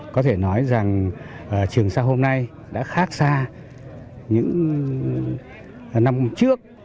có thể nói rằng trường sa hôm nay đã khác xa những năm trước